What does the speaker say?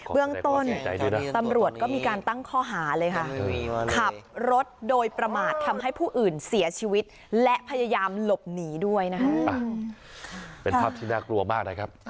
เบื้องต้นตำรวจก็มีการตั้งข้อหาเลยค่ะขับรถโดยประมาททำให้ผู้อื่นเสียชีวิตและพยายามหลบหนีด้วยนะคะเป็นภาพที่น่ากลัวมากนะครับ